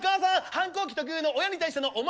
反抗期特有の親に対しての「お前」